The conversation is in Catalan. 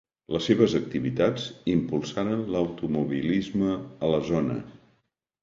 Les seves activitats impulsaren l'automobilisme a la zona.